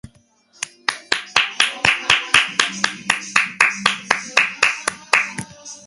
ბაზილიკა სავარაუდოდ აგებული უნდა ყოფილიყო წმინდა პავლეს სახელზე.